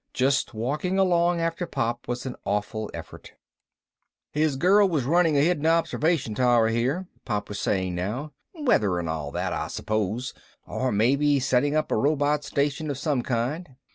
Just walking along after Pop was an awful effort. "His girl was running a hidden observation tower here," Pop was saying now. "Weather and all that, I suppose. Or maybe setting up a robot station of some kind.